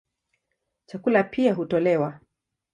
Chakula pia hutolewa.